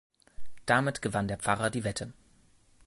Damit gewann der Pfarrer die Wette.